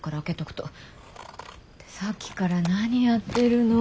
てさっきから何やってるの？